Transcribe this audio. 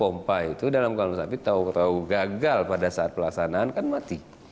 pompa itu dalam kalung sapi tau tau gagal pada saat pelaksanaan kan mati